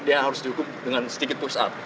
dia harus dihukum dengan sedikit push up